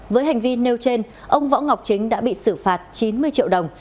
với hành vi nêu trên ông võ ngọc chính đã bị xử phạt chín mươi triệu đồng